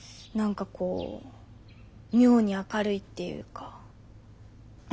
何かこう妙に明るいっていうか。